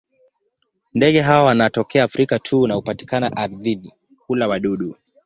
Ndege hawa wanatokea Afrika tu na hupatikana ardhini; hula wadudu.